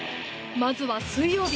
まずは水曜日。